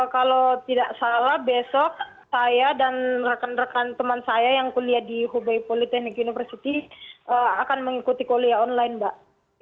kalau tidak salah besok saya dan rekan rekan teman saya yang kuliah di hubei politeknik university akan mengikuti kuliah online mbak